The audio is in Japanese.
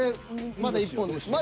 まだ１本です。